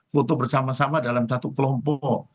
foto bersama sama dalam satu kelompok